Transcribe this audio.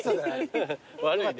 悪いね。